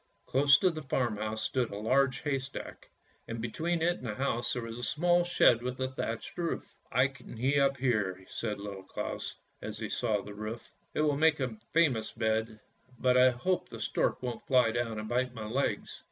Close to the farmhouse stood a large haystack, and between it and the house there was a small shed with a thatched roof. " I can he up there," said little Claus, as he saw the roof; " it will make a famous bed, but I hope the stork won't fly down and bite my legs."